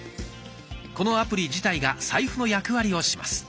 このアプリ自体がサイフの役割をします。